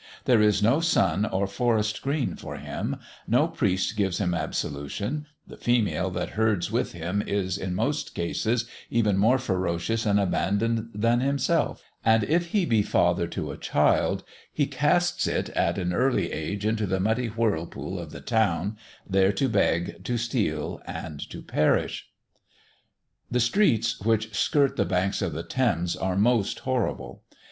There is no sun or forest green for him, no priest gives him absolution, the female that herds with him is, in most cases, even more ferocious and abandoned than himself; and if he be father to a child, he casts it at an early age into the muddy whirlpool of the town, there to beg, to steal, and to perish. The streets which skirt the banks of the Thames are most horrible.